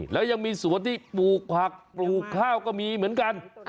แล้วยังมีสวนที่ปลูกผักปลูกข้าวก็มีเหมือนกัน